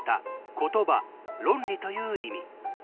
言葉、論理という意味。